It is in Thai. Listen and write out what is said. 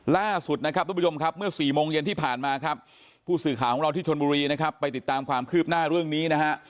ล่าสุดนะครับทุกผู้ชมครับเมื่อ๔โมงเย็นที่ผ่านมาครับผู้สื่อข่าวของเราที่ชนบุรีนะครับไปติดตามความคืบหน้าเรื่องนี้นะฮะ